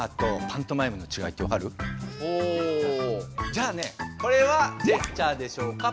じゃあねこれはジェスチャーでしょうか？